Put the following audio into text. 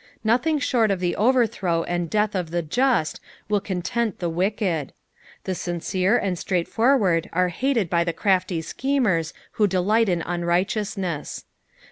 Nothing short of the overthrow and death of the just will content the wicked. The sincere and straightforward are hated by the crafty achemers who delight in unrighteousness.